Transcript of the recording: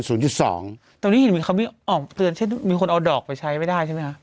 ตอนนี้เห็นมีเขาออกเตือนเช่นมีคนเอาดอกไปใช้ไม่ได้ใช่ไหมคะ